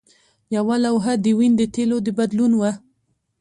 یوه لوحه د وین د تیلو د بدلون وه